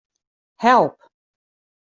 Help.